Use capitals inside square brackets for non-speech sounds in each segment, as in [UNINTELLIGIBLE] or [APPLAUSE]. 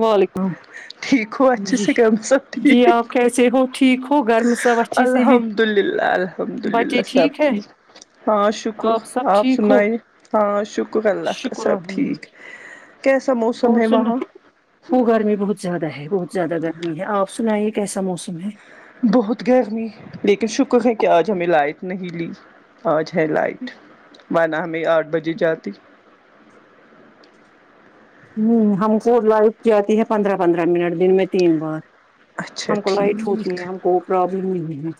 وعلیکم ٹھیک ہو اچھے جی سے گھر میں سب جی آپ ٹھیک کیسے ہو ٹھیک ہو گھر میں سب اچھے سے ہیں الحمد اللہ الحمد اللہ بچے سب ہے ٹھیک ہاں شکر سب آپ ٹھیک ہو سنائیے ہاں شکر اللہ کا شکر سب الحمد ٹھیک للہ کیسا موسم اور ہے سن وہاں وہ گرمی بہت زیادہ ہے بہت زیادہ گرمی ہے آپ سنائیے کیسا موسم ہے بہت گرمی لیکن شکر ہے کہ آج ہمیں لائٹ نہیں لی آج ہے لائٹ ورنہ ہمیں آٹھ بجے جاتی ہمم ہم کو لائٹ جاتی ہے پندرہ پندرہ منٹ دن میں تین بار اچھا ہم کو لائٹ ہوتی ہے ٹھیک ہم کو پرابلم نہیں ہے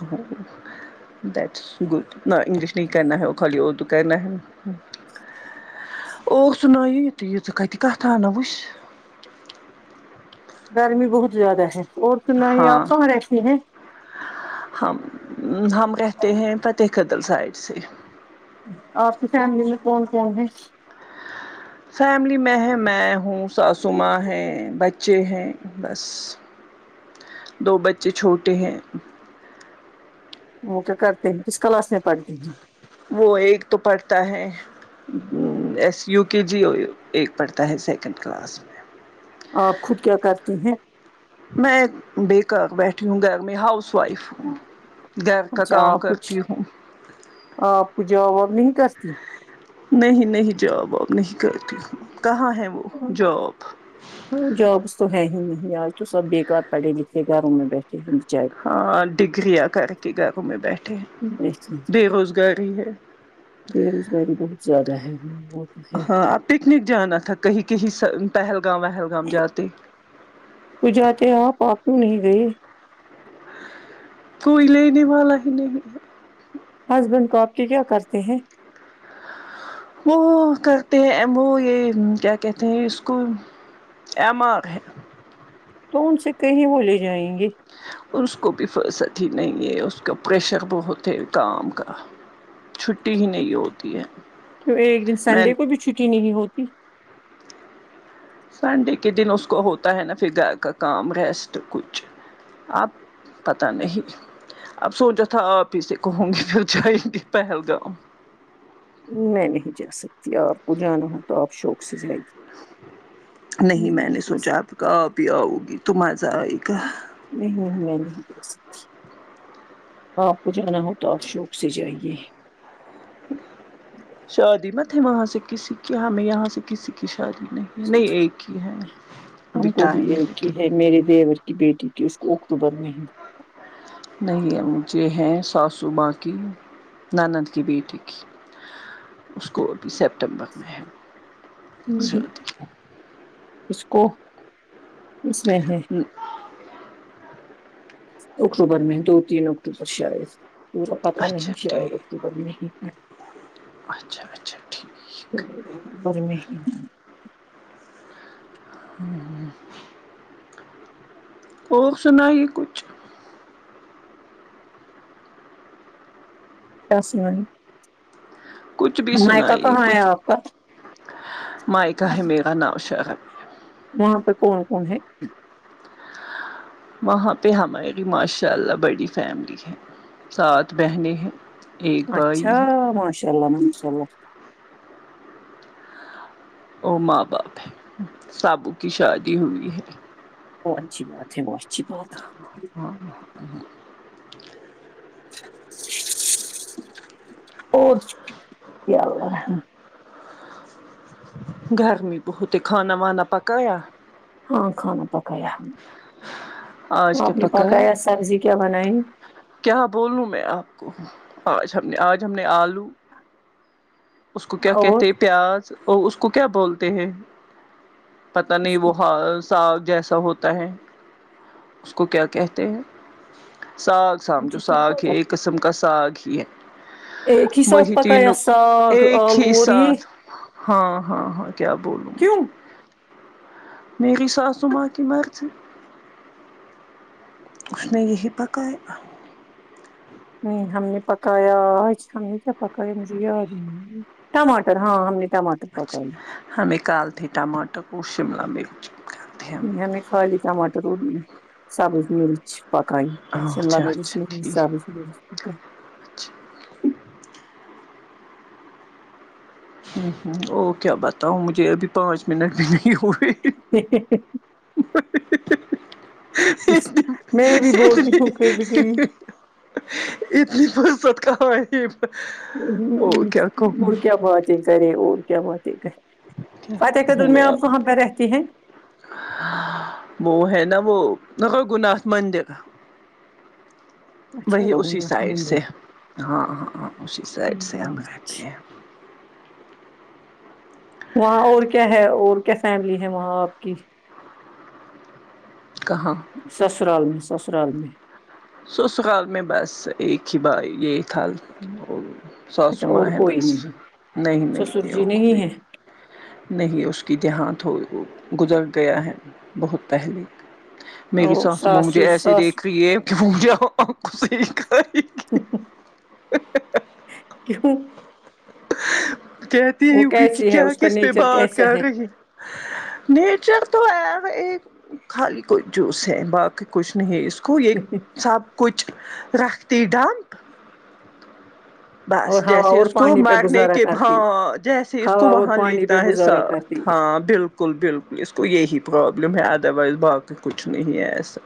ا [UNINTELLIGIBLE] دٹس گود نہ انگلش نہیں کرنا ہے خالی اردو کرنا ہے اور سانئ یہت کت کت آ نا وس [UNINTELLIGIBLE] گرمی بہت زیادہ ہے اور سنائیے ہاں آپ کہاں رہتی ہیں ہم ہم کہتے ہیں ت قتل سائڈ سے [UNINTELLIGIBLE] آپ کی فیملی میں کون کون ہے فیملی میں ہے میں ہوں ساسوما ہیں بچے ہیں بس دو بچے چھوٹے ہیں وہ کیا کرتے ہیں کس کلاس میں پڑھتی ہیں وہ ایک تو پڑھتا ہے ایس یو کے جی ایک پڑھتا ہے سیکنڈ کلاس میں آپ خود کیا کرتی ہیں میں بےیکار بیٹھی ہوں گھر میں ہاؤس وائف ہوں ہیں گھر کا اچھا کام آپ کچھ کرتی ہوں آپ کو جاب واب نہیں کرتی نہیں نہیں جاب آپ نہیں کرتی کہاں ہیں وہ جاب ہاں جابس تو ہے ہی نہیں آج تو سب بےیکار پڑھے لکھے گھروں میں بیٹھے ہیں بچارے ہاں ڈگریاں کر کے گھروں میں بیٹھے ایسی ہیں بے روزگاری ہے بے روزگاری بہت زیادہ ہے ہم لوگ تو ہے ہاں اب پکنک جانا تھا کہیں کہیں پہلگام وہلگام جاتے وہ جاتے ہے آپ آپ کیو نہیں گئی کوئی لینے والا ہی نہیں ہے ہسبینڈ کو آپ کے کیا کرتے ہیں وہ کرتے ہیں [UNINTELLIGIBLE] وہ یہ کیا کہتے ہیں اس کو ایم آر ہے تو ان سے کہیں وہ لے جائیں گے اور اس کو بھی فرصت ہی نہیں ہے ا کا پریشر بہت ہے کام کا چھٹی ہی نہیں ہوتی ہے تو ایک دن میں سنڈے کو بھی چھٹی نہیں ہوتی سنڈے کے دن اس کو ہوتا ہے نا پھر گھر کا کام ریسٹ کچھ آپ پتہ نہیں اب سوچا تھا آپ ہی سے کہوں گی پھر جائیں گی پہلگامؤ میں نہیں جا سکتی آپ کو جانا ہو تو آپ شوق سے جائے گی نہیں میں نے سوچا سکتی آپ کہ اب آؤگی تم آزہ آئے گا نہیں میں نہیں بول سکتی آپ کو جانا ہو تو آپ شوق سے جائیے شادی متے وہاں سے کسی کی ہمیں یہاں سے کسی کی شادی میں ہم کو بھی ٹائم ایک ہی لیکن ہے میرے دیور کی بیٹی کی اس کو اکتوبر میں ہے نہیں مجھے ہیں ساسو ماں کی نند کی بیٹی کی اس کو ابھی سپتمبر میں ہے شادی اس کو اس میں ہے اکتوبر میں دو تین اکتوبر شاید ما پتا نہیں اچھا شاید ٹھیک اکتوبر میں ہی ہے اچھا اچھا ٹھیک بر مے ہے اور سنا ہی کچھ بسے بائی کچھ بھی میکا سنائیے کہا ہی کچھ آپ کا مائکا ہی میرا ناؤ شخت وہاں پہ کون کون ہے وہاں پہ ہماری ماشاء اللہ بڑی فیملی ہے سات بہنیں ہیں ایک بھائی اچھا ہے ماشاء اللہ ماشاء اللہ ا ماں باپ ہے سب کی شادی ہوئی ہے وہ اچھی بات ہے وہ اچھی بات ہے ہ [INAUDIBLE] او ر یا اللہ رحم گھر میں خود ہی کھانا وانا پکایا ہاں کھانا پکایا ہم آج نے کیا آپ نے پکایا سبزی کیا بنائی کیا بولوں میں آپ کو آج ہم نے آج ہم نے آلو اس کو کیا اور کہتے ہیں پیاز اور اس کو کیا بولتے ہیں پتا نہیں اس وہ کو حاض ساگ جیسا ہوتا ہے اس کو کیا کہتے ہیں ساگ سمجھو مجھے کیا ساگ پتا ہے ایک قسم کا ساگ ہی ہے ایک ہی ساتھ وہی پکایا تینو ساگ ایک آلو ہی اور یہ ساتھ ہاں ہاں ہاں کیا بولوں کیوں مجھے میری ساس ماں کی مرضی اس نے یہی پکایا ہ ہم نے پکایا آج ہم نے کیا پکایا مجھے یاد ٹماٹر ہاں ہم نے ٹماٹر پکائی اچھا ہمیں کال تھے ٹماٹر کو شملہ میں نہیں کھا لی ٹماٹر ہونے سبز مرچ پکائی شملہ اچھا مرچ اچھا سے ٹھیک سبز مرچ اچھا ہوں ہوں او کیا بتاؤں مجھے ابھی پانچ منٹ بھی نہیں ہوئے ہے ہے ہے اتنی میں بھی بولتی ہوں کہئی بھی کئی اتنی فرصت کہاں ہے او ہ کیا کہوں اور کیا باتیں کرے اور کیا باتیں کہے کیا کہوں میں اب رہتی ہیں وہ ہے نا وہ گگ ناتھ مندر اچھا وہی اسی رگھوناتھ سائڈ سے مندر ہاں ہاں اسی سائڈ سے ہاں ہم اچھا رہتے ہیں وہاں اور کیا ہے اور کیا فیملی ہے وہاں آپ کی کہاں سسرال میں سسرال میں سسرال میں بس ایک ہی بھائی یہی حال اچھا ساسو ماں اور ہے کوئی بس نہیں نہیں سسر جی نہیں کوئی ہے نہیں اس کی دہانت ہو گزر گیا ہے بہت پہلے میری اور ساس میں ساسو مجھے ایسے ساس دیکھ رہی ہے کہ وہ مجھ ے ہی ہی ہی کیوں کہتی ہے وہ ہوگی کہ کیسی ہے کیا اس کا کس پہ نیچر بات کیسا کر ہے رہی نیچر تو ہے وہی خالی کوئی جوس ہے باقی کچھ نہیں اس کو یہ سب کچھ رکھتی ڈمپ بس اور ہوا جیسے اور اس کو پانی پہ مرنے گزارا کے بھا کرتی جیسے اس کو ہوا اور وہاں پانی پہ لیتا ہے گزارا ساتھ کرتی ہاں بالکل بالکل اس کو یہی پرابلم ہے ادر وائز باقی کچھ نہیں ہے ایسا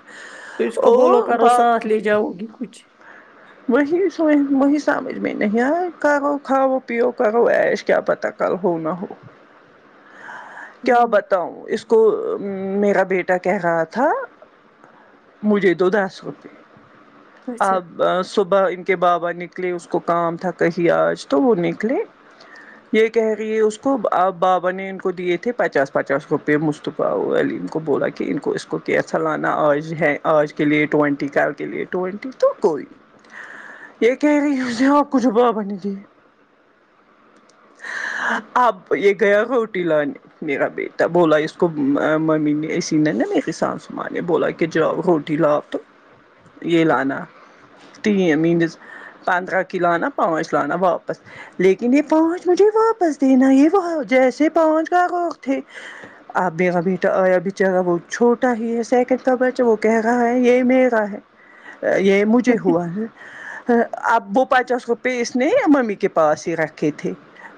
تو اس کو بولو اور کرو با ساتھ لے جاؤ گی کچھ وہی وہی سمجھ میں نہیں آئے کرو کھاؤ پیو کرو ایش کیا پتا کل ہو نہ ہو کیا ہوں بتاؤں اس کو اس کو میرا بیٹا کہہ رہا تھا مجھے دو دس روپے اچھا اب صبح ان کے بابا نے نہیں اس کو کام تھا کہیں آج تو وہ نکلے یہ کہہ گی اس کو آپ بابا نے ان کو دیے تھے پچاس پچاس روپے مستطب وال ان کو بولا کہ ان کو اس کو کیسا لانا آج ہے آج کے لیے ٹوینٹی کیلکلیٹ ٹوونٹی ٹو کوئی یہ کہہ رہی ہز ہے اور کچھب بن گ اب یہ گیا ہوٹیل نے میرا بیٹا بولا اس کو ممی نے اسسی نے نا میری سان سمانے بولا کہ جاوہوٹل آپ یہ لانا پندترہ کی لانا پانچ لانا واپس لیکن یہ پانچ مجھے واپس دینا یہ جیسے پانچ کاقوق تھے آپ بھیا بی اب چا وہ چھوٹا ہی ہے سیکنڈ کا بچ وہ کہہ رہا ہے یہی میرگا ہے یہ مجھے ہوا ہے اب وہ پچاس روپے اس نے یا ممی کے پاس ہی رکھے تھے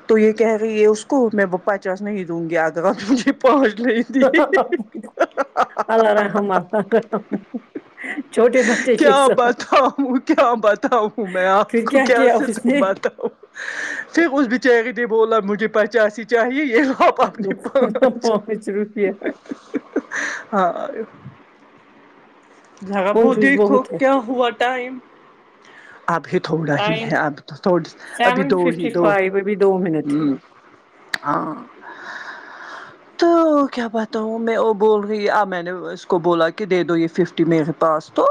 تو یہ کہہ رہی ہے اس کو میں اپر نہیں دوں گی اگر آپ مجھے پہنچنے دو اللہ رحم اللہ رحم چھوٹے بچے کے کیا ساتھ بتاؤں کیا بتا ؤ میں آپ پھر کو کیا کیا کیسے اس نے داماد پھر اس بیچاری نے بولا مجھے پچاس ہی چاہیے یہ اپنے دوپر پانچ پہنچ روپے ہاں جگہ بو کنجوس دیکھو بہت ہے کیا ہوا ٹائم ابھی تھوڑا ہی ٹائم ہے اب تھ ابھی سیون دو ہی ففٹی دو فائیو ابھی دو منٹ ہے ھمم ہاں تو کیا بتا ہوں میں وہ بول رہی آ میں نے اس کو بولا کہ دے دو یہ ففت میرے پاس تو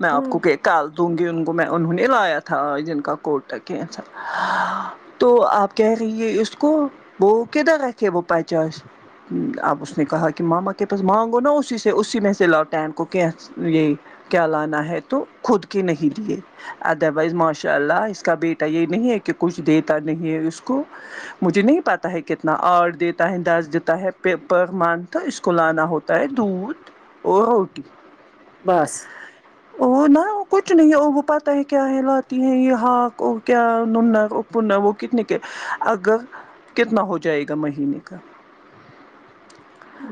میں آپ ہاں کو کہ کال دوں گی ان کو میں انہوں نے ہی لایا تھا آج جن کا کوٹا کیا تو آپ کہہ رہیے اس کو وہ کدھر رکھے وہ پچاس اب اس نے کہا کہ ماما کے پاس مانگو نا اسی سے اسی میں سے لوٹ ٹائم کو کہ یہ کیا لانا ہے تو خود کے نہیں لیے ادروائز ماشاء اللہ اس کا بیٹا یہ نہیں ہے کہ کچھ دیتا نہیں ہے اس کو مجھے نہیں پتاہ ہے کتنا آٹھ دیتا ہے دس دیتا ہے پر منتھ اسکول لانا ہوتا ہوتا ہے دودھ اور روٹی بس وہ نه کچھ نہیں ہے پتہ ہے کیا [UNINTELLIGIBLE] [UNINTELLIGIBLE] کتنے کے اگر کتنا ہو جائے گا مہینے کا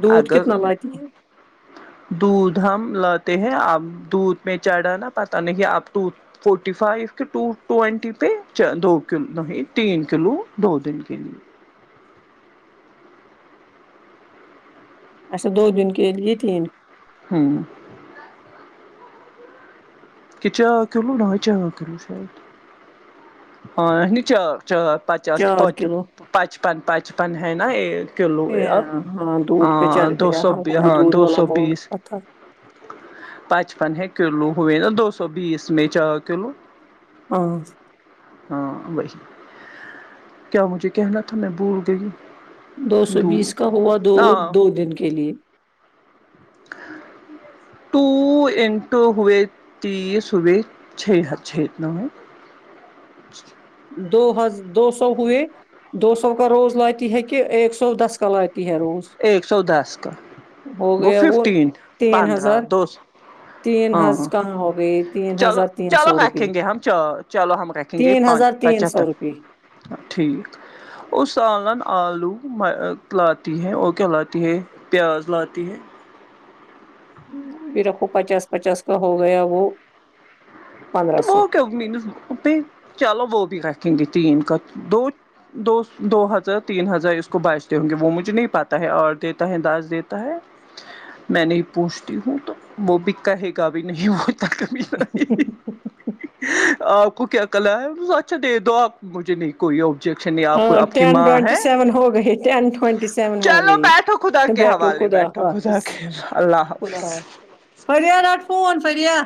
دودھ اگر کتنا لاتی ہے دودھ ہم لا تے ہیں آپ دودھ میں چڑھا نا پتا نہیں آپ دودھ فورٹی فائیو کے ٹو ٹوینٹی پہ دو کلو نہیں تین کلو دو دن کے لیے اچھا دو دن کے لیے یہ تین ھمم [UNINTELLIGIBLE] ہاں نہیں چار پچاس چار کلو پچپن پچپن ہے نا ایک کلو ہے اے اب ہاں دودھ پہ ہاں چڑھ دو گیا سو ہم بی کو بھی ہاں دودھ دو والا سو بول بیس رہا تھا پچپن ہے کلو ہےنا دو سو بیس میں چار کیلو ہاں ہاں وہی کیا مجھے کہنا تھا میں بھول گئی دو سو بیس دودھ کا ہوا دو ہاں دو دن کے لیے ٹو انٹو ہوئے تیس ہوئے چھ چھ دو ہز دو سو ہوئے دو سو کا روز لاتی ہے کہ ایک سو دس کا لاتی ہے روز ایک سو دس کا ہو گو گیا وہ ففٹین تین پندرہ ہزار دوسو تین ہاں ہز کہاں ہو گئے تین چلو ہزار تین چلو سو روپئے رکھیں گے ہم چلو ہم رکھیں تین ہزار تین گےپچیاتر سو روپئے ٹھیک اس سالن آلو لاتی ہے اور کیالاتی ہے پیاز لاتی ہے پھر آپکو پچاس پچاس کا ہو گیا وہ پندرہ تو سو [UNINTELLIGIBLE] چلو وہ بھی رکھیں گے تین کا دو دو دو ہزار تین ہزار اس کو بچتے ہوں گے وہ مجھے نہیں پتہ ہے آٹھ دیتا ہے دس دیتا ہے میں نہیں پوچھتی ہوں تو وہ بھی کہے گا بھی نہیں وہ تک آپ کو کیا کلا ہے اچھا دے دو آپ مجھے نہیں کوئی آبجیکشن نہیں آپ کو ہاں آپ کی ٹین ماں ٹوینٹی ہے سیون ہو گئی ٹین ٹوینٹی سیون ہو چلو گئی بیٹھو خدا کے بیٹھو حوالے خدا بیٹھو خدا حافظ کے اللہ حافظ فرییا فون فرییا